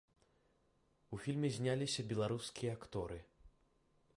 У фільме зняліся беларускія акторы.